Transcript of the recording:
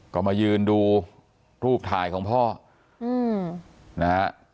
ก็มายืนดูรูปถ่ายของพ่อนะฮะ